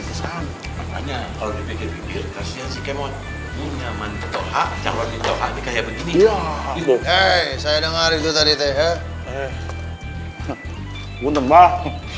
tanya ke udah